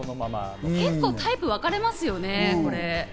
結構タイプ分かれますよね、これ。